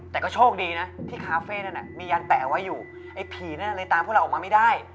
แต่ก็โชคดีนะที่คาเฟ่นั้นมียันแปะไว้อยู่ไอ้ผีนั่นเลยตามพวกเราออกมาไม่ได้